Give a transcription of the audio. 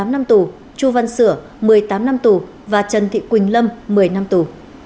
tám năm tù chu văn sửa một mươi tám năm tù và trần thị quỳnh lâm một mươi năm tù